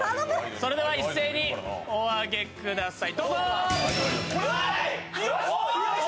それでは一斉におあげください。